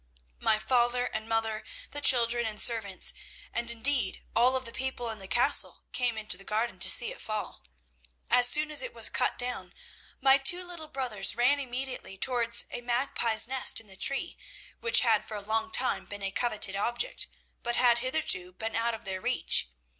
"My father, and mother, the children, and servants, and indeed all of the people in the Castle, came into the garden to see it fall. As soon as it was cut down, my two little brothers ran immediately towards a magpie's nest in the tree, which had for a long time been a coveted object, but had hitherto been out of their reach.